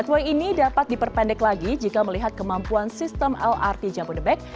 dua ini dapat diperpendek lagi jika melihat kemampuan sistem lrt jabodebek